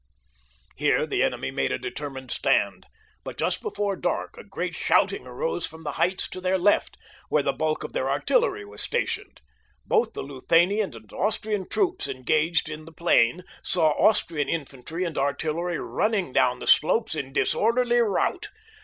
Here the enemy made a determined stand; but just before dark a great shouting arose from the heights to their left, where the bulk of their artillery was stationed. Both the Luthanian and Austrian troops engaged in the plain saw Austrian infantry and artillery running down the slopes in disorderly rout.